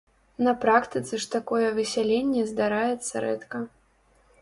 На практыцы ж такое высяленне здараецца рэдка.